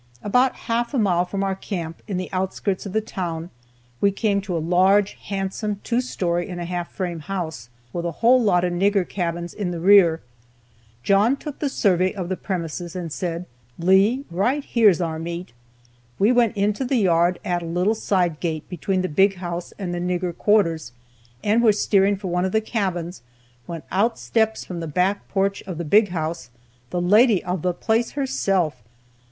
"About half a mile from our camp, in the outskirts of the town, we came to a large, handsome, two story and a half frame house, with a whole lot of nigger cabins in the rear. John took a survey of the premises and said, 'Lee, right here's our meat.' We went into the yard at a little side gate between the big house and the nigger quarters, and were steering for one of the cabins, when out steps from the back porch of the big house the lady of the place herself.